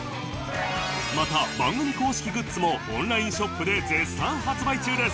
また番組公式グッズもオンラインショップで絶賛発売中です！